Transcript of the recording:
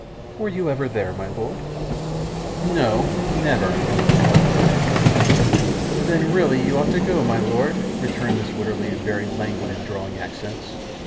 Were you ever there, my lord?' 'No, nayver,' replied Verisopht. 'Then really you ought to go, my lord,' returned Mrs. Wititterly, in very languid and drawling accents.